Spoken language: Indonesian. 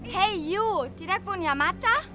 hey you tidak punya mata